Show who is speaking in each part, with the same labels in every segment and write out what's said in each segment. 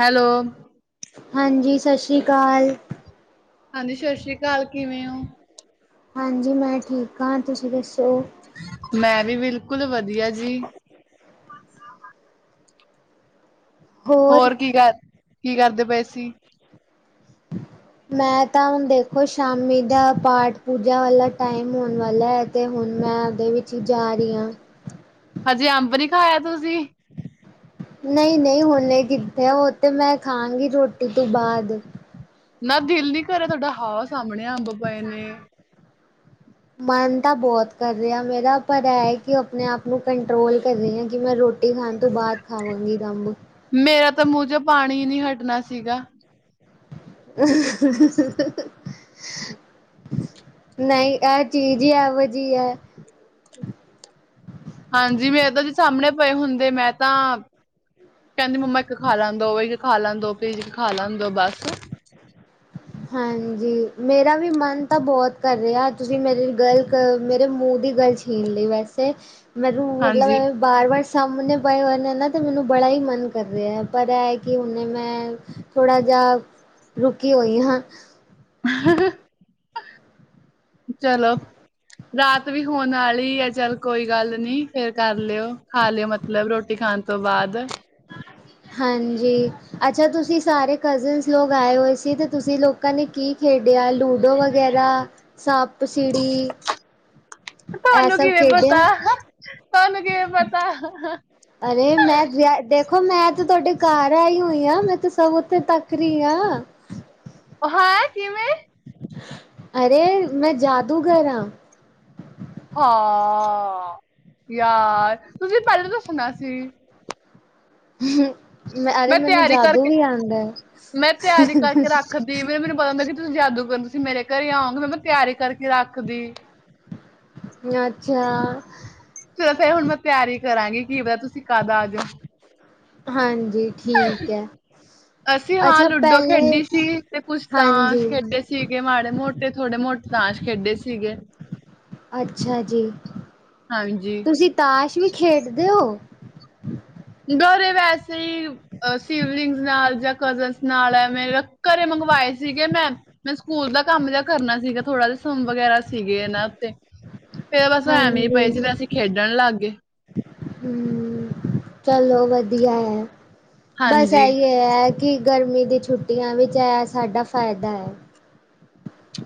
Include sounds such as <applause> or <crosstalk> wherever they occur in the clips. Speaker 1: Hello
Speaker 2: ਹਾਂਜੀ ਸਾਸਰੀ ਕਾਲ।
Speaker 1: ਹਾਂਜੀ ਛਾਸਰੀ ਅਕਾਲ ਕਿਵੇਂ ਓ?
Speaker 2: ਹਾਂਜੀ ਮੈਂ ਠੀਕ ਆ ਤੁਸੀਂ ਦੱਸੋਂ?
Speaker 1: ਮੈਂ ਵੀ ਬਿਲਕੁਲ ਵਧੀਆਂ ਜੀ। <inaudible> ਹੋਰ ਕੀ ਕਰ ਕੀ ਕਰਦੇਂ ਪਏ ਸੀਂ?
Speaker 2: ਮੈਂ ਤਾਂ ਹੁਣ ਦੇਖੋਂ ਸ਼ਾਮੀ ਦਾ ਪਾਠ ਪੂਜਾ ਵਾਲਾਂ ਟਾਇਮ ਹੋਣ ਵਾਲ਼ਾ ਤੇ ਹੁਣ ਮੈਂ ਉਹਦੇ ਵਿੱਚ ਹੀ ਜਾਂ ਰਹੀਂ ਆ।
Speaker 1: ਹਜੇ ਅੰਬ ਨੀਂ ਖਾਇਆ ਤੁਸੀਂ?
Speaker 2: ਨਹੀਂ-ਨਹੀਂ ਹੁਨੇ ਕਿੱਥੇ ਉਹ ਤੇ ਮੈਂ ਖਾਂ ਗੀ ਰੋਟੀ ਤੋਂ ਬਾਅਦ।
Speaker 1: ਨਾ ਦਿਲ ਨੀਂ ਕਰਦਾਂ ਤੁਹਾਡਾ ਹੋ ਸਾਹਮਣੇਂ ਅੰਬ ਪਏ ਨੇਂ।
Speaker 2: ਮਨ ਤਾਂ ਬਹੁਤ ਕਰ ਰਿਹਾਂ ਮੇਰਾ ਪਰ ਐਂ ਕਿ ਉਹ ਆਪਣੇਂ ਆਪ ਨੂੰ ਕੰਟਰੋਲ ਕਰ ਰਹੀਂ ਹਾਂ ਕਿ ਮੈਂ ਰੋ ਰੋਟੀ ਖ਼ਾਣ ਤੋਂ ਬਾਅਦ ਖਾਵਾਂਗੀ ਤਾਂ ਅੰਬ।
Speaker 1: ਮੇਰਾ ਤਾਂ ਮੂੰਹ ਚੋਂ ਪਾਣੀਂ ਨੀਂ ਹਟਣਾ ਸੀਗਾ।
Speaker 2: <unintelligible> ਨਹੀਂ ਐਹ ਚੀਜ਼ ਹੀ ਐਹੋ ਜੀ ਐ।
Speaker 1: ਹਾਂਜੀ ਮੈਂ ਏਦਾ ਜੇ ਸਾਹਮਣੇਂ ਪਏ ਹੁੰਦੇ ਮੈਂ ਤਾਂ ਕਹਿੰਦੀ ਮੰਮਾ ਇੱਕ ਖਾਂ ਲਾਂ ਦੋ ਖਾਂ ਲਾਂ ਦੋ ਪੀਜ਼ ਖਾਂ ਲ਼ੈਨ ਦੋ ਬਸ।
Speaker 2: ਹਾਂਜੀ ਮੇਰਾ ਵੀ ਮਨ ਤਾਂ ਬਹੁਤ ਕਰ ਰਿਹਾ ਤੁਸੀਂ ਮੇਰੀ ਗੱਲ ਮੇਰੇ ਮੂੰਹ ਦੀ ਗੱਲ ਛੀਣ ਲਈ ਵੈਸੇ, ਮੈਨੂੰ
Speaker 1: ਹਾਂਜੀ,
Speaker 2: ਮਤਲਬ ਵਾਰ-ਵਾਰ ਸਾਹਮਣੇ ਪਾਏ ਹੋਏ ਨੇ ਨਾ ਤਾਂ ਮੈਨੂੰ ਬੜਾ ਹੀ ਮਨ ਕਰ ਰਿਹਾ। ਪਰ ਐ ਹੈ ਕਿ ਹੁਣੇ ਮੈਂ ਥੋੜਾ ਜਾ ਕੀ ਹੋਈ ਆ।
Speaker 1: ਚਲੋ। ਰਾਤ ਵੀ ਹੋਣ ਆਲੀ ਏ ਚੱਲ ਕੋਈ ਗੱਲ ਨੀ ਫੇਰ ਕਰ ਲਿਓ। ਖਾ ਲਿਓ ਮਤਲਬ ਰੋਟੀ ਖਾਣ ਤੋਂ ਬਾਅਦ।
Speaker 2: ਹਾਂਜੀ। ਅੱਛਾ ਤੁਸੀਂ ਸਾਰੇ ਕਜ਼ਨ ਲੋਕ ਆਏ ਹੋਏ ਸੀ ਤੇ ਤੁਸੀਂ ਲੋਕਾਂ ਨੇ ਕੀ ਖੇਡਿਆ ਲੂਡੋ ਵ ਗੈਰਾ, ਸੱਪ ਸੀਡੀ ਇਹ
Speaker 1: ਤੁਹਾਨੂੰ
Speaker 2: ਸਭ
Speaker 1: ਕਿਵੇਂ
Speaker 2: ਖੇਡਿਆ?
Speaker 1: ਪਤਾ ਤੁਹਾਨੂੰ ਕਿਵੇਂ ਪਤਾ।
Speaker 2: ਅਰੇ ਮੈਂ ਵਿ ਦੇਖੋ ਮੈਂ ਤੇ ਤੁਹਾਡੇ ਘਰ ਆਈ ਹੋਈ ਆ ਮੈਂ ਤੇ ਸਭ ਉੱਥੇ ਤੱਕ ਰਹੀ ਆ।
Speaker 1: ਹੈਂ ਕਿਵੇਂ?
Speaker 2: ਅਰੇ ਮੈਂ ਜਾਦੂਗਰ ਆ।
Speaker 1: ਹਾਂ, ਯਾਰ ਤੁਸੀਂ ਪਹਿਲੇ ਦੱਸਣਾ ਸੀ।
Speaker 2: ਅਰੇ
Speaker 1: ਮੈਂ
Speaker 2: ਮੈਨੂੰ
Speaker 1: ਤਿਆਰੀ
Speaker 2: ਜਾਦੂ
Speaker 1: ਕਰਕੇ
Speaker 2: ਵੀ ਆਂਦਾ।
Speaker 1: ਫੇਰ ਦੀਵੇ ਮੈਨੂੰ ਪਤਾ ਮੈਂ ਕਿਆ ਤੁਸੀਂ ਜਾਦੂਗਰ ਸੀ ਤੁਸੀਂ ਮੇਰੇ ਘਰੇ ਆਓਗੇ ਮੈਂ ਤਿਆਰੀ ਕਰਕੇ ਰੱਖਦੀ।
Speaker 2: ਅੱਛਾ।
Speaker 1: ਚਲੋ ਫੇਰ ਹੁਣ ਮੈਂ ਤਿਆਰੀ ਕਰਾਂਗੀ ਕੀ ਪਤਾ ਤੁਸੀਂ ਕਦ ਆ ਜੋ।
Speaker 2: ਹਾਂਜੀ। ਠੀਕ ਐ
Speaker 1: ਅਸੀਂ ਹਾਂ
Speaker 2: ਅੱਛਾ
Speaker 1: ਲੂਡੋ
Speaker 2: ਪਹਿਲੇ
Speaker 1: ਖੇਡੀ ਸੀ, ਤੇ ਕੁਛ
Speaker 2: ਹਾਂਜੀ
Speaker 1: ਤਾਂਸ਼ ਖੇਡੇ ਸੀ। ਸੀਗੇ ਮਾੜੇ-ਮੋਟੇ ਥੋੜੇ ਮੋਟੇ ਤਾਸ਼ ਖੇਡੇ ਸੀਗੇ।
Speaker 2: ਅੱਛਾ ਜੀ,
Speaker 1: ਹਾਂਜੀ
Speaker 2: ਤੁਸੀਂ ਤਾਸ਼ ਵੀ ਖੇਡਦੇ ਓ?
Speaker 1: ਗਰੇ ਵੈਸੇ ਈ, ਸਿਵਲਿੰਗਜ ਨਾਲ ਜਾਂ ਕਜ਼ਨ ਨਾਲ ਐਂਵੇ, ਮੇਰੇ ਘਰੇ ਮੰਗਵਾਏ ਸੀਗੇ ਮੈਂ। ਮੈਂ ਸਕੂਲ ਦਾ ਕੰਮ ਜਾ ਕਰਨਾ ਸੀਗਾ ਥੋੜਾ ਜਾ, ਸਮ ਵਗੈਰਾ ਸੀਗੇ ਇਹਨਾਂ ਉੱਤੇ, ਫਿਰ ਬਸ ਐਵੇਂ ਪਏ
Speaker 2: ਹਾਂਜੀ
Speaker 1: ਸੀ, ਤੇ ਅਸੀਂ ਖੇਡਣ ਲੱਗ ਗਏ।
Speaker 2: ਹੂੰ, ਚਲੋ ਵਧੀਆ ਐ, ਬਸ
Speaker 1: ਹਾਂਜੀ
Speaker 2: ਐਈ ਏ। ਐਹ ਕਿ ਗਰਮੀ ਦੀ ਛੁੱਟੀਆਂ ਵਿੱਚ, ਐ ਸਾਡਾ ਫਾਇਦਾ ਐ।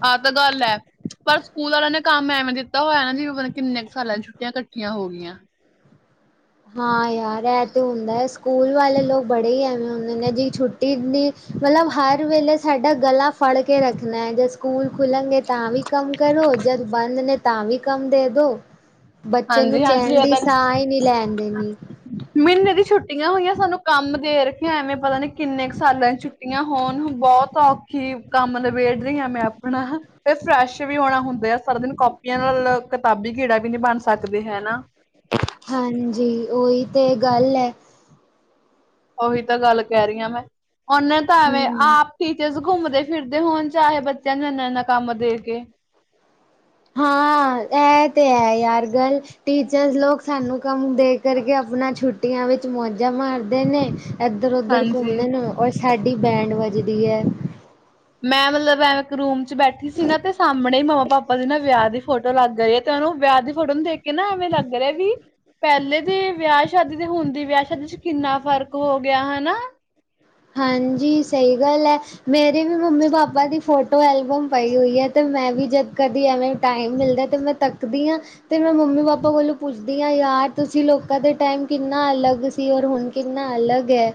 Speaker 1: ਆ ਤਾ ਗੱਲ ਐ। ਪਰ ਸਕੂਲ ਵਾਲਿਆਂ ਨੇ ਕੰਮ ਐਵੇਂ ਦਿੱਤਾ ਹੋਇਆ ਨਾ, ਜੀਵੇਂ ਪਤਾ ਨੀ, ਕਿੰਨੇ ਕੁ ਸਾਲਾਂ ਦੀ ਛੁੱਟੀਆਂ, ਇਕੱਠੀਆਂ ਹੋਗੀਆਂ।
Speaker 2: ਹਾਂ ਯਾਰ, ਐ ਤੇ ਹੁੰਦਾ ਸਕੂਲ ਵਾਲੇ ਲੋਕ ਬੜੇ ਹੀ ਐਵੇਂ ਹੁੰਦੇ ਨੇ, ਜੀ ਛੁੱਟੀ ਦੀ ਮਤਲਬ ਹਰ ਵੇਲੇ ਸਾਡਾ ਗਲਾ ਫੜ ਕੇ ਰੱਖਣੈ, ਜਦ ਸਕੂਲ ਖੁਲਂਗੇ ਤਾਂ ਵੀ ਕਮ ਕਰੋ, ਜਦ ਬੰਦ ਨੇ ਤਾਂ ਵੀ ਕੰਮ ਦੇਦੋ।
Speaker 1: <inaudible>
Speaker 2: ਬੱਚੇ ਨੂੰ
Speaker 1: ਹਾਂਜੀ
Speaker 2: ਚੈਣ ਦੀ, ਸਾਹ ਹੀ ਨਹੀ ਲੈਣ ਦੇਣੀ।
Speaker 1: ਮ੍ਹੀਨੇ ਦੀ ਛੁੱਟੀਆਂ ਹੋਈਆਂ ਸਾਨੂੰ ਕੰਮ ਦੇ ਰੱਖਿਆ ਐਵੇਂ, ਪਤਾ ਨੀ ਕਿੰਨੇ ਕ ਸਾਲਾਂ ਦੀ ਛੁੱ ਛੁੱਟੀਆਂ ਹੋਣ ਬਹੁਤ ਔਖੀ ਕੰਮ ਨਬੇੜ ਰਹੀ ਹਾਂ, ਮੈਂ ਆਪਣਾ। ਤੇ ਫਰੈਸ਼ ਵੀ ਹੋਣਾ ਹੁੰਦਾ ਆ, ਸਾਰਾ ਦਿਨ ਕੌਪੀਆਂ ਨਾਲ ਕਿਤਾਬੀ ਕੀੜਾ ਵੀ ਨਹੀ, ਬਣ ਸਕਦੇ ਹੈਨਾ।
Speaker 2: ਹਾਂਜੀ, ਉਈ ਤੇ ਗੱਲ ਐ।
Speaker 1: ਉਹੀ ਤਾ ਗੱਲ ਕਹਿ ਰਹੀ ਆ ਮੈਂ, ਉਹਨੇ ਤਾਂ ਐਵੇਂ
Speaker 2: ਹਮ
Speaker 1: ਆਪ ਟੀਚਰਸ ਘੁੰਮਦੇ-ਫਿਰਦੇ ਹੋਣ ਚਾਹੇ, ਬੱਚਿਆਂ ਨੂੰ ਇੰਨਾ-ਇੰਨਾ ਕੰਮ ਦੇਕੇ।
Speaker 2: ਹਾਂ, ਐ ਤੇ ਹੈ ਯਾਰ ਗਲ ਟੀਚਰਸ ਲੋਕ ਸਾਨੂੰ ਕੰਮ ਦੇ ਕਰਕੇ, ਅਪਨਾ ਛੁੱਟੀਆਂ ਵਿੱਚ ਮੌਜਾਂ ਮਾਰਦੇ ਨੇ। ਇੱਧਰ-ਉੱਧਰ
Speaker 1: ਹਾਂਜੀ
Speaker 2: ਘੁੰਮਦੇ ਨੇ, ਔਰ ਸਾਡੀ ਬੈਂਡ ਵੱਜਦੀ ਐ।
Speaker 1: ਮੈਂ ਮਤਲਬ ਐਵੇ ਇੱਕ ਰੂਮ'ਚ ਬੈਠੀ ਸੀ ਨਾ, ਤੇ ਸਾਹਮਣੇ ਹੀ ਮੰਮਾ-ਪਾਪਾ ਦੀ ਨਾ ਵਿਆਹ ਦੀ ਫੋਟੋ ਲੱਗ ਗਏ, ਤੇ ਉਹਨੂੰ ਵਿਆਹ ਦੀ ਫੋਟੋ ਨੂੰ ਦੇਖਕੇ ਨਾ ਐਵੇਂ ਲੱਗ ਰਿਹਾ ਵੀ ਪਹਿਲੇ ਦੇ ਵਿਆਹ ਸ਼ਾਦੀ, ਤੇ ਹੁਣ ਦੀ ਵਿਆਹ ਸ਼ਾਦੀ'ਚ ਕਿੰਨਾ ਫ਼ਰਕ ਹੋਗਿਆ ਹਨਾ।
Speaker 2: ਹਾਂਜੀ, ਸਹੀ ਗੱਲ ਐ। ਮੇਰੇ ਵੀ ਮੰਮੀ ਪਾਪਾ ਦੀ ਫੋਟੋ ਐਲਬਮ ਪਈ ਹੋਈ ਹੈ, ਤੇ ਮੈਂ ਵੀ ਜਦ ਕਦੀ ਐਵੇਂ ਟਾਈਮ ਮਿਲਦਾ ਤੇ ਮੈਂ ਤੱਕਦੀ ਆਂ, ਤੇ ਮੈਂ ਮੰਮੀ ਪਾਪਾ ਕੋਲੋ ਪੁ ਪੁੱਛਦੀ ਆਂ ਯਾਰ, ਤੁਸੀਂ ਲੋਕਾਂ ਦੇ ਟਾਈਮ ਕਿੰਨਾ ਅਲੱਗ ਸੀ, ਔਰ ਹੁਣ ਕਿੰਨਾ ਅਲੱਗ ਐ।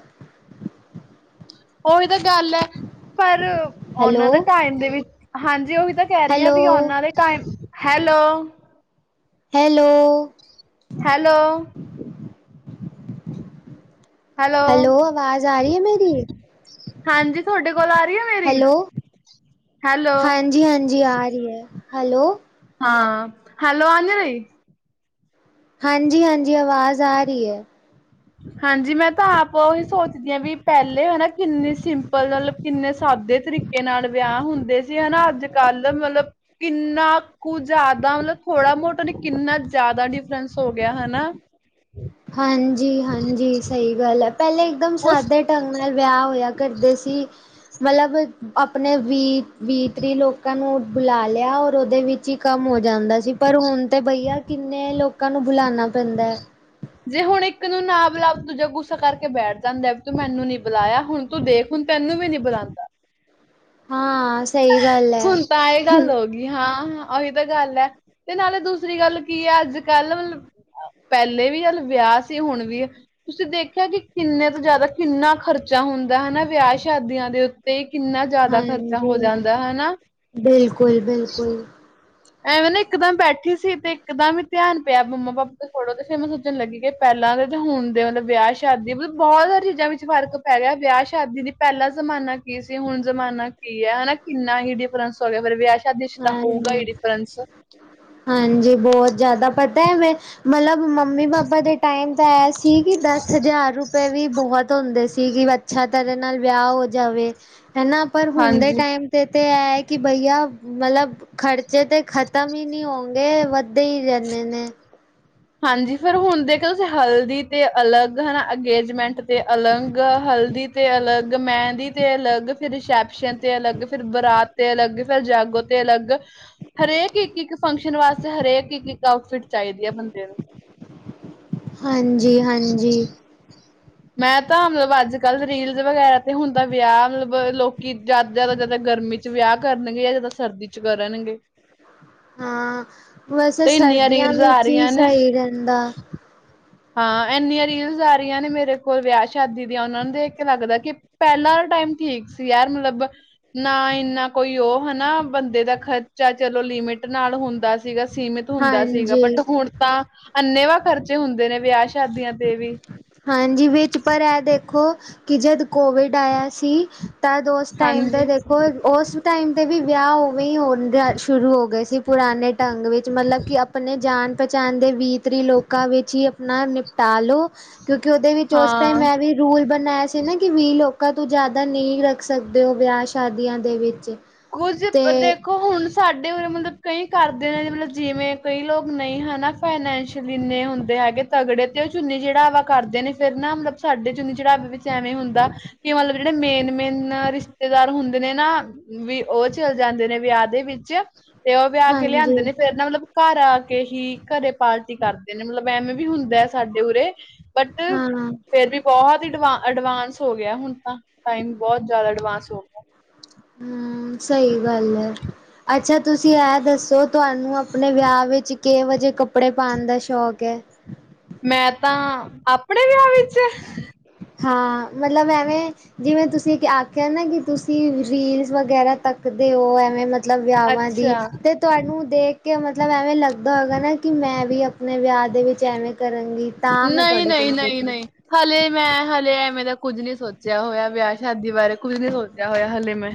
Speaker 1: ਉਹੀ ਤਾ ਗੱਲ ਐ। ਪਰ, ਉਹਨਾਂ
Speaker 2: ਹੈਲੋ
Speaker 1: ਦੇ ਟਾਈਮ ਦੇ ਵਿੱਚ, ਹਾਂਜੀ ਉਹੀ ਤਾਂ ਕਹਿ ਰਹੀ ਆਂ
Speaker 2: ਹੈਲੋ
Speaker 1: ਵੀ ਉਹਨਾਂ ਦੇ time, hello!
Speaker 2: Hello!
Speaker 1: Hello. Hello.
Speaker 2: ਆਵਾਜ਼ ਆ ਰਹੀ ਹੈ ਮੇਰੀ
Speaker 1: ਹਾਂਜੀ, ਥੋਡੇ ਕੋਲ ਆ ਰਹੀ ਆ, ਮੇਰੀ? ਹੈਲੋ
Speaker 2: ਹਾਂਜੀ-ਹਾਂਜੀ, ਆ ਰਹੀ ਐ, ਹੈਲੋ।
Speaker 1: ਹਾਂ, ਹੈਲੋ ਅੰਜਲੀ।
Speaker 2: ਹਾਂਜੀ-ਹਾਂਜੀ, ਅਵਾਜ਼ ਆ ਰਹੀ ਏ।
Speaker 1: ਹਾਂਜੀ, ਮੈਂ ਤਾਂ ਆਪ ਉਹੀ ਸੋਚਦੀ ਆਂ, ਵੀ ਪਹਿਲੇ ਹਨਾ ਕਿੰਨੀ ਸਿੰਪਲ ਗਲ ਕਿੰਨੇ ਸਾਦੇ ਤਰੀਕੇ ਨਾਲ ਵਿਆਹ ਹੁੰਦੇ ਸੀ ਹਨਾ, ਅੱਜ-ਕੱਲ ਮਤਲਬ ਕਿੰਨਾ ਕੁ ਜ਼ਿਆਦਾ, ਮਤਲਬ ਥੋੜਾ-ਮ੍ਹੋਟਾ ਨਹੀਂ ਕਿੰਨਾ ਜ਼ਿਆਦਾ ਡਿਫਰੈਂਸ ਹੋਗਿਆ, ਹਨਾ।
Speaker 2: ਹਾਂਜੀ-ਹਾਂਜੀ, ਸਹੀ ਗੱਲ ਐ, ਪਹਿਲੇ ਇੱਕਦਮ
Speaker 1: ਉਸ
Speaker 2: ਸਾਦੇ ਢੰਗ ਨਾਲ ਵਿਆਹ ਹੋਇਆ ਕਰਦੇ ਸੀ, ਮਤਲਬ ਆਪਣੇ ਵੀਹ, ਵੀਹ ਤ੍ਰੀ ਲੋਕਾਂ ਨੂੰ ਬੁਲਾ ਲਿਆ, ਔਰ ਉਹਦੇ ਵਿੱਚ ਹੀ ਕੰਮ ਹੋ ਜਾਂਦਾ ਸੀ ਪਰ ਹੁਣ ਤੇ ਬਈਆ, ਕਿੰਨੇ ਲੋਕਾਂ ਨੂੰ ਬੁਲਾਣਾ ਪੈਂਦਾ ਐ।
Speaker 1: ਜੇ ਹੁਣ ਇੱਕ ਨੂੰ ਨਾ ਬੁਲਾਓ ਦੂਜਾ ਗੁੱਸਾ ਕਰਕੇ ਬੈਠ ਜਾਂਦਾ ਵੀ ਤੂੰ ਮੈਨੂੰ ਨੀ ਬੁਲਾਇਆ ਹੁਣ ਤੂੰ ਦੇਖ ਹੁਣ ਤੈਨੂੰ ਵੀ ਨੀ ਬਲਾਉਂਦਾ।
Speaker 2: ਹਾਂ ਸਹੀ ਗੱਲ ਹੈ ਹਮ।
Speaker 1: ਹਾਂ ਹਾਂ ਉਹੀ ਤਾਂ ਗੱਲ ਹੈ ਤੇ ਨਾਲੇ ਦੂਸਰੀ ਗੱਲ ਕੀ ਹੈ ਅੱਜ ਕੱਲ ਮਤਲਬ ਪਹਲੇ ਵੀ ਚੱਲ ਵਿਆਹ ਸੀ ਹੁਣ ਵੀ ਤੁਸੀਂ ਦੇਖਿਆ ਕਿ ਕਿੰਨੇ ਤੋਂ ਜ਼ਿਆਦਾ ਕਿੰਨਾ ਖਰਚਾ ਹੁੰਦਾ ਹੈਨਾ ਵਿਆਹ ਸ਼ਾਦੀਆਂ ਦੇ ਉੱਤੇ ਕਿੰਨਾ ਜ਼ਿਆਦਾ ਖ਼ਰਚਾ ਹੋ
Speaker 2: ਹਾਂਜੀ
Speaker 1: ਜਾਂਦਾ ਹੈਨਾ?
Speaker 2: ਬਿਲਕੁਲ-ਬਿਲਕੁਲ
Speaker 1: ਐਵੇਂ ਨਾ ਇੱਕਦਮ ਬੈਠੀ ਸੀ ਤੇ ਇੱਕਦਮ ਹੀ ਧਿਆਨ ਪਿਆ ਮੰਮਾ ਪਾਪਾ ਦੇ <unintelligible> ਲੱਗੀ ਗਈ ਕਿ ਪਹਿਲਾਂ ਦੇ ਤੇ ਹੁਣ ਦੇ ਮਤਲਬ ਵਿਆਹ ਸ਼ਾਦੀ ਮਤਲਬ ਬਹੁਤ ਸਾਰੀਆਂ ਚੀਜ਼ਾਂ ਵਿੱਚ ਫਰਕ ਪੈ ਗਿਆ ਵਿਆਹ ਸ਼ਾਦੀ ਦੀ ਪਹਿਲਾ ਜ਼ਮਾਨਾ ਕੀ ਸੀ ਹੁਣ ਜ਼ਮਾਨਾ ਕੀ ਹੈ ਹੈਨਾ ਕਿੰਨਾ ਹੀ ਡਿਫਰੈਂਸ ਹੋ ਗਿਆ ਪਰ ਵਿਆਹ ਸ਼ਾਦੀ ਚ ਤਾਂ ਹੋਊਗਾ ਹੀ
Speaker 2: ਹਾਂਜੀ
Speaker 1: ਡਿਫਰੈਂਸ
Speaker 2: ਹਾਂਜੀ ਬਹੁਤ ਜ਼ਿਆਦਾ ਪਤਾ ਹੈ ਵੇ ਮਤਲਬ ਮੰਮੀ ਪਾਪਾ ਦੇ ਟਾਈਮ ਤਾਂ ਐਏ ਸੀ ਕਿ ਦਸ ਹਜ਼ਾਰ ਰੁਪਏ ਵੀ ਬਹੁਤ ਹੁੰਦੇ ਸੀ ਕਿ ਅੱਛਾ ਤਰ੍ਹਾਂ ਨਾਲ ਵਿਆਹ ਹੋ ਜਾਵੇ ਹੈਨਾ? ਪਰ ਹੁਣ ਦੇ
Speaker 1: ਹਾਂਜੀ
Speaker 2: ਟਾਈਮ ਤੇ ਤਾਂ ਇਹ ਹੈ ਕਿ ਬਈਆ ਮਤਲਬ ਖ਼ਰਚੇ ਤੇ ਖ਼ਤਮ ਹੀ ਨਹੀਂ ਹੋੰਗੇ ਵੱਧਦੇ ਹੀ ਰਹਿੰਦੇ ਨੇ।
Speaker 1: ਹਾਂਜੀ ਫੇਰ ਹੁਣ ਦੇਖੋ ਤੁਸੀਂ ਹਲਦੀ ਤੇ ਅਲੱਗ ਹੈਨਾ ਅੰਗੇਜਮੈਂਟ ਤੇ ਅਲੱਗ ਹਲਦੀ ਤੇ ਅਲੱਗ ਮਹਿੰਦੀ ਤੇ ਅਲੱਗ ਫੇਰ ਰਿਸੈਪਸ਼ਨ ਤੇ ਅਲੱਗ ਫੇਰ ਬਰਾਤ ਤੇ ਅਲੱਗ ਫੇਰ ਜਾਗੋ ਤੇ ਅਲੱਗ ਹਰੇਕ ਇੱਕ ਇੱਕ ਫੰਕਸ਼ਨ ਵਾਸਤੇ ਹਰੇਕ ਇੱਕ ਇੱਕ ਆਊਟਫਿਟ ਚਾਹੀਦਾ।
Speaker 2: ਹਾਂਜੀ ਹਾਂਜੀ।
Speaker 1: ਮੈਂ ਤਾਂ ਮਤਲਬ ਅੱਜ ਕੱਲ੍ਹ ਰੀਲਜ਼ ਵਗੈਰਾ ਤੇ ਹੁੰਦਾ ਵਿਆਹ ਮਤਲਬ ਲੋਕੀਂ ਜਦ ਜਿਆਦਾ ਜਿਆਦਾ ਗਰਮੀ ਚ ਵਿਆਹ ਕਰਨਗੇ ਜਾਂ ਜਿਆਦਾ ਸਰਦੀ ਚ ਕਰਨਗੇ।
Speaker 2: ਹਾਂ ਵੈਸੇ
Speaker 1: ਤੇ ਇਨੀਆਂ
Speaker 2: ਸਰਦੀਆਂ
Speaker 1: ਰੀਲਜ਼ ਆ
Speaker 2: ਵਿੱਚ ਹੀ
Speaker 1: ਰਹੀਆਂ ਨੇ।
Speaker 2: ਸਹੀ ਰਹਿੰਦਾ
Speaker 1: ਹਾਂ ਇੰਨੀਆਂ ਰੀਲਜ਼ ਆ ਰਹੀਆਂ ਨੇ ਮੇਰੇ ਕੋਲ ਵਿਆਹ ਸ਼ਾਦੀ ਦੀਆਂ ਉਹਨਾਂ ਨੂੰ ਦੇਖਕੇ ਲੱਗਦਾ ਕਿ ਪਹਿਲਾਂ ਆਲਾ ਟਾਈਮ ਠੀਕ ਸੀ ਯਾਰ ਮਤਲਬ ਨਾ ਇੰਨਾ ਕੋਈ ਉਹ ਹੈਨਾ ਬੰਦੇ ਦਾ ਖ਼ਰਚਾ ਚਲੋ ਲਿਮਿਟ ਨਾਲ ਹੁੰਦਾ ਸੀਗਾ ਸੀਮਿਤ ਹੁੰਦਾ ਸੀਗਾ
Speaker 2: ਹਾਂਜੀ
Speaker 1: ਬਟ ਹੁਣ ਤਾਂ ਅੰਨੇ ਵਾਹ ਖ਼ਰਚੇ ਹੁੰਦੇ ਨੇ ਵਿਆਹ ਸ਼ਾਦੀਆਂ ਤੇ ਵੀ।
Speaker 2: ਹਾਂਜੀ! ਵਿੱਚ ਪਰ ਇਹ ਦੇਖੋ ਕਿ ਜਦ ਕੋਵਿਡ ਆਇਆ ਸੀ ਤਦ ਉਸ ਟਾਈਮ ਤੇ
Speaker 1: ਹਾਂਜੀ
Speaker 2: ਦੇਖੋ ਉਸ ਟਾਈਮ ਤੇ ਵੀ ਵਿਆਹ ਹੋ ਉਵੇਂ ਹੋਣ ਸ਼ੁਰੂ ਹੋ ਗਏ ਸੀ ਪੁਰਾਣੇ ਢੰਗ ਵਿੱਚ ਮਤਲਬ ਕਿ ਆਪਣੇ ਜਾਣ ਪਹਿਚਾਣ ਦੇ ਬੀਤ ਤਰੀ ਲੋਕਾਂ ਵਿੱਚ ਹੀ ਆਪਣਾ ਨਿਪਟਾ ਲੋ ਕਿਉਂਕਿ ਉਹਦੇ ਵਿੱਚ ਉਸ ਟਾਈਮ
Speaker 1: ਹਾਂ
Speaker 2: ਇਹ ਵੀ ਰੂਲ ਬਣਾਇਆ ਸੀ ਨਾ ਕਿ ਵੀਹ ਲੋਕਾਂ ਤੋਂ ਜ਼ਿਆਦਾ ਨਹੀਂ ਰੱਖ ਸਕਦੇ ਹੋ ਵਿਆਹ ਸ਼ਾਦੀਆਂ ਦੇ ਵਿੱਚ।
Speaker 1: ਕੁਝ
Speaker 2: ਤੇ
Speaker 1: <unintelligible> ਦੇਖੋ ਹੁਣ ਸਾਡੇ ਉਰੇ ਮਤਲਬ ਕਈ ਕਰਦੇ ਨੇ ਮਤਲਬ ਜਿਵੇਂ ਕਈ ਲੋਕ ਨਹੀਂ ਹੈਨਾ ਫਾਈਨੈਂਸ਼ੀਅਲੀ ਇੰਨੇ ਹੁੰਦੇ ਹੈਗੇ ਤਗੜੇ ਤੇ ਉਹ ਚੁੰਨੀ ਚੜਾਵਾ ਕਰਦੇ ਨੇ ਫੇਰ ਨਾ ਮਤਲਬ ਸਾਡੇ ਚੁੰਨੀ ਚੜਾਵੇ ਵਿੱਚ ਐਵੇਂ ਹੁੰਦਾ। ਕਿ ਮਤਲਬ ਜਿਹੜੇ ਮੇਨ ਮੇਨ ਰਿਸ਼ਤੇਦਾਰ ਹੁੰਦੇ ਨੇ ਨਾ ਵੀ ਉਹ ਚਲ ਜਾਂਦੇ ਨੇ ਵਿਆਹ ਦੇ ਵਿੱਚ ਤੇ ਉਹ ਵਿਆਹ ਕੇ
Speaker 2: ਹਾਂਜੀ
Speaker 1: ਲਿਆਂਦੇ ਨੇ ਫੇਰ ਨਾ ਮਤਲਬ ਘਰ ਆ ਕੇ ਹੀ ਘਰੇ ਪਾਰਟੀ ਕਰਦੇ ਨੇ ਮਤਲਬ ਐਵੇਂ ਵੀ ਹੁੰਦਾ ਹੈ ਸਾਡੇ ਉਰੇ ਬਟ
Speaker 2: ਹਾਂ <unintelligible>
Speaker 1: ਫੇਰ ਵੀ ਬਹੁਤ ਹੀ ਅਡਵਾਂਸ ਹੋ ਗਿਆ ਹੁਣ ਤਾਂ ਟਾਈਮ ਬਹੁਤ ਜ਼ਿਆਦਾ ਐਡਵਾਂਸ ਹੋ ਗਿਆ।
Speaker 2: ਹਮ ਸਹੀ ਗੱਲ ਹੈ। ਅੱਛਾ ਤੁਸੀਂ ਇਹ ਦੱਸੋ ਤੁਹਾਨੂੰ ਆਪਣੇ ਵਿਆਹ ਵਿੱਚ ਕਿਹੋ ਜਿਹੇ ਕੱਪੜੇ ਕੱਪੜੇ ਪਾਉਣ ਦਾ ਸ਼ੌਕ ਹੈ?
Speaker 1: ਮੈਂ ਤਾਂ ਆਪਣੇ ਵਿਆਹ ਵਿੱਚ
Speaker 2: ਹਾਂ, ਮਤਲਬ ਐਵੇਂ ਜਿਵੇਂ, ਤੁਸੀਂ ਆਖਿਆ ਨਾ ਕਿ ਤੁਸੀਂ ਰੀਲਸ ਵਗੈਰਾ ਤੱਕਦੇ ਹੋ, ਐਵੇਂ ਮਲਬ ਮਤਲਬ ਵਿਆਹਵਾਂ ਦੀ
Speaker 1: ਅੱਛਾ
Speaker 2: ਤੇ ਤੁਹਾਨੂੰ ਦੇਖ ਕੇ ਮਤਲਬ ਐਵੇਂ ਲੱਗਦਾ ਹੋਏਗਾ ਨਾ ਕਿ ਮੈਂ ਵੀ ਆਪਣੇ ਵਿਆਹ ਦੇ ਵਿੱਚ ਐਵੇਂ ਕਰਾਂਗੀ। ਤਾਂ ਮੈਂ
Speaker 1: ਨਹੀਂ
Speaker 2: ਤੁਹਾਡੇ ਕੋਲ
Speaker 1: -ਨਹੀਂ-
Speaker 2: ਗਈ
Speaker 1: ਨਹੀਂ
Speaker 2: ਸੀ।
Speaker 1: -ਨਹੀਂ। ਹਲੇੇ ਮੈਂ ਹਲੇੇ ਐਵੇਂ ਦਾ ਕੁੱਝ ਨਹੀਂ ਸੋਚਿਆ ਹੋਇਆ, ਵਿਆਹ ਸ਼ਾਦੀ ਬਾਰੇ ਕੁੱਝ ਨਹੀਂ ਸੋਚਿਆ ਹੋਇਆ ਹਲੇੇ ਮੈਂ।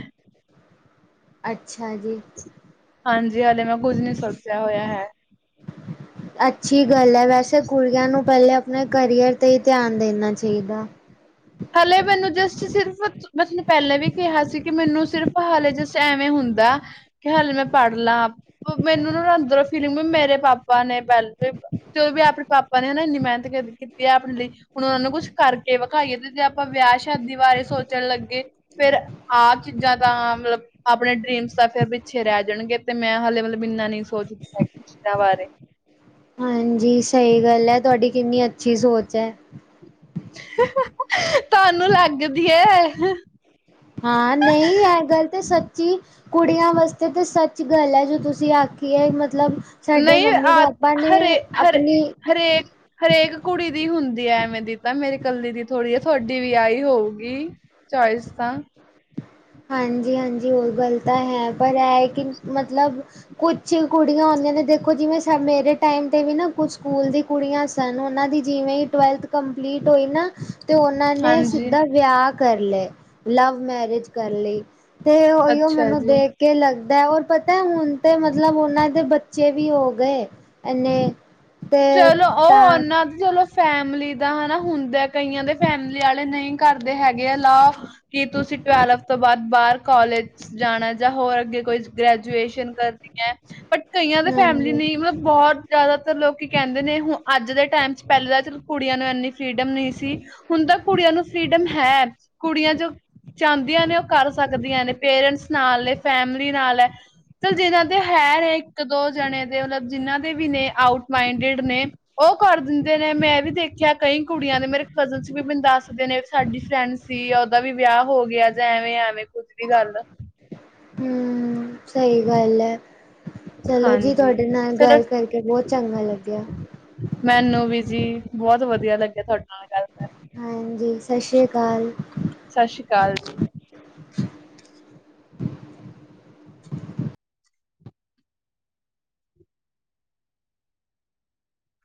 Speaker 2: ਅੱਛਾ ਜੀ।
Speaker 1: ਹਾਂਜੀ, ਹਾਲੇ ਮੈਂ ਕੁਝ ਨੀ ਸੋਚਿਆ ਹੋਇਆ ਹੈ।
Speaker 2: ਅੱਛੀ ਗੱਲ ਹੈ, ਵੈਸੇ ਕੁੜੀਆਂ ਨੂੰ ਪਹਿਲੇ ਆਪਣੇ ਕਰੀਅਰ ਤੇ ਹੀ ਧਿਆਨ ਦੇਣਾ ਚਾਹੀਦਾ।
Speaker 1: ਹਲੇੇ ਮੈਨੂੰ ਜਸਟ ਸਿਰਫ ਮੈਂ ਤੁਹਾਨੂੰ ਪਹਿਲਾਂ ਵੀ ਕਿਹਾ ਸੀ, ਕਿ ਮੈਨੂੰ ਸਿਰਫ਼ ਹਾਲੇ ਜਸਟ ਐਵੇਂ ਹੁੰਦਾ। ਕਿ ਹਾਲੇ ਮੈਂ ਪੜ੍ਹ ਲਾਂ, ਮੈਨੂੰ ਨਾ ਅੰਦਰੋਂ ਫੀਲਿੰਗ ਵੀ ਮੇਰੇ ਪਾਪਾ ਨੇ ਪਹਿਲ ਤੇ, ਉਹ ਵੀ ਆਪਣੇ ਪਾਪਾ ਨੇ ਉਹ ਨਾ ਇੰਨੀ ਮਿਹਨਤ ਕੀਤੀ ਹੈ ਆਪਣੇ ਲਈ, ਹੁਣ ਉਹਨਾਂ ਨੂੰ ਕੁੱਛ ਕਰਕੇ ਵਿਖਾਈਏ ਤੇ ਜੇ ਆਪਾਂ ਵਿਆਹ ਸ਼ਾਦੀ ਬਾਰੇ ਸੋਚਣ ਲੱਗੇ ਫੇਰ ਆਪ ਚੀਜ਼ਾਂ ਤਾਂ ਮਤਲਬ ਆਪਣੇ ਡ੍ਰਰੀਮਸ ਬਸ, ਫੇਰ ਪਿੱਛੇ ਰਹਿ ਜਾਣਗੇ ਤੇ ਮੈਂ ਹਲੇੇ ਮਤਲਬ ਇੰਨਾ ਨਹੀਂ ਸੋਚਦੀ ਹੈਗੀ ਚੀਜ਼ਾਂ ਬਾਰੇ।
Speaker 2: ਹਾਂਜੀ, ਸਹੀ ਗੱਲ ਹੈ ਤੁਹਾਡੀ, ਕਿੰਨੀ ਅੱਛੀ ਸੋਚ ਹੈ।
Speaker 1: ਤੁਹਾਨੂੰ ਲੱਗਦੀ ਹੈ।
Speaker 2: ਹਾਂ ਨਹੀਂ ਇਹ ਗੱਲ ਤਾਂ ਸੱਚੀ। ਕੁੜੀਆਂ ਵਾਸਤੇ ਤਾਂ ਸੱਚ ਗੱਲ ਹੈ ਜੋ ਤੁਸੀਂ ਆਖੀ ਹੈ ਮਤਲਬ। ਸਾਡੇ
Speaker 1: ਨਹੀਂ
Speaker 2: ਮੰਮੀ
Speaker 1: ਆ
Speaker 2: ਪਾਪਾ ਨੇ
Speaker 1: ਹਰੇ -ਹਰੇ
Speaker 2: ਆਪਣੀ
Speaker 1: ਹਰੇਕ -ਹਰੇਕ ਕੁੜੀ ਦੀ ਹੁੰਦੀ ਹੈ ਐਵੇਂ ਦੀ, ਤਾਂ ਮੇਰੀ ਕੱਲੀ ਦੀ ਥੋੜ੍ਹੀ ਹੈ ਤੁਹਾਡੀ ਵੀ ਆਈ ਹੋਊ। ਕੀ ਚੌਇਸ ਤਾ
Speaker 2: ਹਾਂਜੀ- ਹਾਂਜੀ ਉਹ ਗੱਲ ਤਾਂ ਹੈ, ਪਰ ਇਹ ਕਿ ਮਤਲਬ ਕੁਛ ਕੁੜੀਆਂ ਹੁੰਦੀਆਂ ਨੇ, ਦੇਖੋ ਜਿਵੇਂ ਮੇਰੇ ਟਾਈਮ ਤੇ ਵੀ ਨਾ ਕੁਛ ਸਕੂਲ ਦੀ ਕੁੜੀਆਂ ਸਨ, ਉਹਨਾਂ ਦੀ ਜਿਵੇਂ ਟਵੈਲਥ ਕੰਪਲੀਟ ਹੋਈ ਨਾ ਤੇ ਉਹਨਾਂ ਨੇ
Speaker 1: ਹਾਂਜੀ
Speaker 2: ਸਿੱਧਾ ਵਿਆਹ ਕਰ ਲਏ, ਲਵ ਮੈਰਿਜ ਕਰ ਲਈ। ਤੇ ਉਹੀਓ
Speaker 1: ਅੱਛਾ
Speaker 2: ਮੈਨੂੰ
Speaker 1: ਜੀ।
Speaker 2: ਦੇਖ ਕੇ ਲੱਗਦਾ ਹੈ ਪਤਾ ਹੁਣ ਤੇ ਮਤਲਬ ਉਹਨਾਂ ਦੇ ਬ ਬੱਚੇ ਵੀ ਹੋ ਗਏ ਐਨੇ।
Speaker 1: ਚਲੋ ਉਹ ਓਹ ਨਾਂ ਚਲੋ ਫੈਮਿਲੀ ਦਾ ਹੈਨਾ ਹੁੰਦਾ, ਕਈਆਂ ਦੇ ਫੈਮਿਲੀ ਵਾਲੇ ਨਹੀਂ ਕਰਦੇ ਹੈਗੇ ਆ ਲਾ। ਕੀ ਤੁਸੀਂ ਟਵੈਲਵ ਤੋਂ ਬਾਅਦ ਬਾਹਰ ਕਾਲੇਜ ਜਾਣਾ ਜਾਂ ਹੋਰ ਅੱਗੇ ਕੋਈ ਗ੍ਰੈਜੂਏਸ਼ਨ ਕਰਨੀ ਹੈ। ਬਟ, ਕਈਆਂ ਦੇ ਫੈਮਿਲੀ
Speaker 2: ਹਾਂਜੀ
Speaker 1: ਨੇ ਮਤਲਬ ਬਹੁਤ ਜ਼ਿਆਦਾਤਰ ਲੋਕ ਕੀ ਕਹਿੰਦੇ ਨੇ, ਦੇ ਹੁਣ ਅੱਜ ਦੇ ਟਾਈਮ ਚ ਪਹਿਲੇ ਟੈਮ ਤਾਂ ਚਲ ਕੁੜੀਆਂ ਨੂੰ ਇੰਨੀ ਫਰੀਡਮ ਨਹੀਂ ਸੀ, ਹੁਣ ਤਾਂ ਕੁੜੀਆਂ ਨੂੰ ਫਰੀਡਮ ਹੈ, ਕੁੜੀਆਂ ਜੋ ਚਾਹਦੀਆਂ ਨੇ ਉਹ ਕਰ ਸਕਦੀਆਂ ਨੇ, ਪੇਰੈਂਟਸ ਨਾਲ ਨੇ ਫੈਮਲੀ ਨਾਲ ਹੈ। ਚਲ ਜਿਨਾਂ ਦੇ ਹੈ ਨੇ ਇੱਕ ਦੋ ਜਣੇ, ਦੇ ਮਤਲਬ ਜਿਹਨਾਂ ਦੇ ਵੀ ਨੇ ਆਊਟ ਮਾਈੰਡਡ ਨੇ ਉਹ ਕਰ ਦੇਣ। ਨੇ ਮੈਂ ਵੀ ਦੇਖਿਆ, ਕਈ ਕੁੜੀਆਂ ਨੇ ਮੇਰੇ ਕਜ਼ਨਸ ਵੀ ਮੈਨ ਦੱਸਦੇ ਨੇ ਸਾਡੀ ਫਰੈਂਡ ਸੀ ਉਹਦਾ ਵੀ ਵਿਆਹ ਹੋ ਗਿਆ, ਜਾਂ ਐਵੇਂ -ਐਵੇਂ ਕੁੱਝ ਵੀ ਗੱਲ ਆ!
Speaker 2: ਹਮ, ਸਹੀ ਗੱਲ ਹੈ। ਚਲੋ ਜੀ,
Speaker 1: ਹਾਂਜੀ
Speaker 2: ਤੁਹਾਡੇ ਨਾਲ
Speaker 1: ਚਲੋ
Speaker 2: ਗੱਲ ਕਰਕੇ ਬਹੁਤ ਚੰਗਾ ਲੱਗਿਆ।
Speaker 1: ਮੈਨੂੰ ਵੀ ਜੀ, ਬਹੁਤ ਵਧੀਆ ਲੱਗਿਆ ਤੁਹਾਡੇ ਨਾਲ ਗੱਲ ਕਰ
Speaker 2: ਹਾਂਜੀ ਸਤਿ ਸ੍ਰੀ ਅਕਾਲ
Speaker 1: ਸਤਿ ਸ੍ਰੀ ਅਕਾਲ ਜੀ